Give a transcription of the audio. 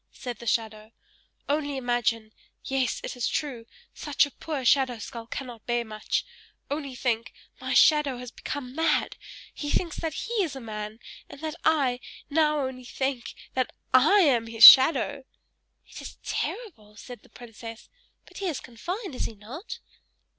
said the shadow. "Only imagine yes, it is true, such a poor shadow skull cannot bear much only think, my shadow has become mad; he thinks that he is a man, and that I now only think that I am his shadow!" "It is terrible!" said the princess; "but he is confined, is he not?"